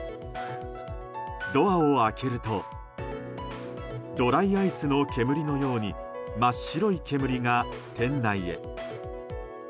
ドアを開けるとドライアイスの煙のように真っ白い煙が、店内へ。